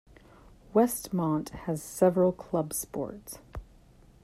Westmont has several club sports.